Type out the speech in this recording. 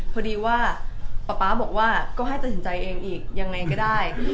พอดีว่าป๊าป๊าบอกว่าก็ให้ตัดสินใจเองอีกยังไงก็ได้